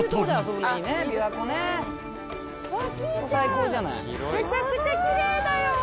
めちゃくちゃ奇麗だよ。